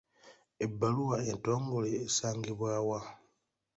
Ebbaluwa entongole esangibwa wa?